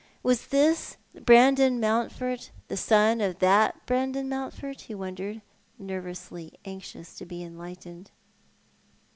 \Yas this Brandon Mountford the son of that Brandon Mountford? he wondered, nervously anxious to be enlightened.